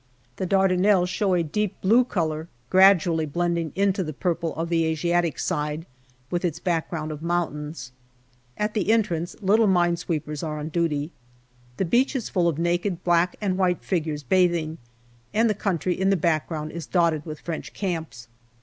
The Dardanelles show a deep blue colour, gradually blending into the purple of the Asiatic side, with its background of mountains. At the entrance, little ill JUNE 115 mine sweepers are on duty. The beach is full of naked black and white figures bathing, and the country in the background is dotted with French camps.